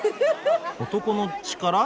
男の力？